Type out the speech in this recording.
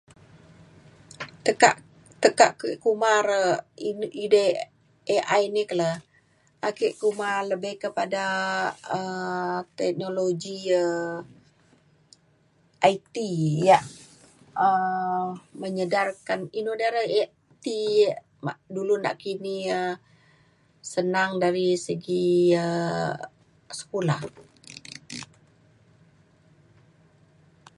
tekak tekak ke kuma re edei AI ni ke le ake kuma lebih kepada um teknologi um IT yak menyedarkan inu de re yak ti ma- dulu nakini um senang dari segi um sekula.